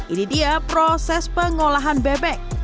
ini dia proses pengolahan bebek